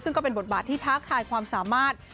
ซึ่งก็เป็นบทบาทที่ท้าทายความสามารถ